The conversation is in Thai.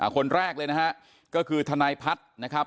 คนแรกเลยนะฮะก็คือทนายพัฒน์นะครับ